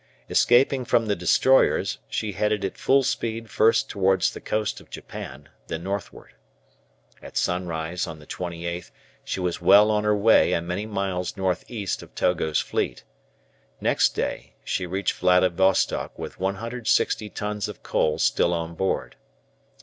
Escaping from the destroyers, she headed at full speed first towards the coast of Japan, then northward. At sunrise on the 28th she was well on her way and many miles north east of Togo's fleet. Next day she reached Vladivostock with 160 tons of coal still on board.